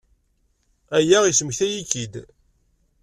Aya yesmektay-iyi-k-id.